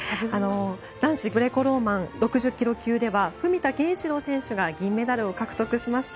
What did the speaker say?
男子グレコローマン６０ｋｇ級では文田健一郎選手が銀メダルを獲得しました。